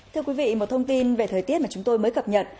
thưa quý vị một thông tin về thời tiết mà chúng tôi mới cập nhật